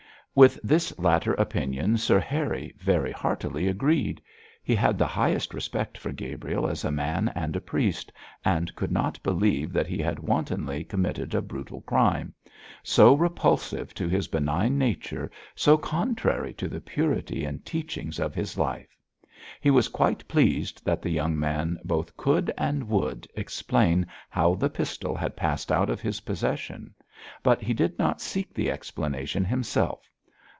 With this latter opinion Sir Harry very heartily agreed. He had the highest respect for Gabriel as a man and a priest, and could not believe that he had wantonly committed a brutal crime, so repulsive to his benign nature, so contrary to the purity and teachings of his life. He was quite satisfied that the young man both could, and would, explain how the pistol had passed out of his possession; but he did not seek the explanation himself.